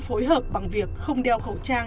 phối hợp bằng việc không đeo khẩu trang